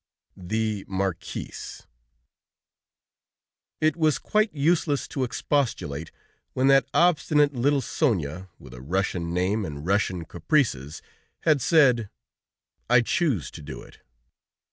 THE MARQUIS It was quite useless to expostulate when that obstinate little Sonia, with a Russian name and Russian caprices, had said: "I choose to do it."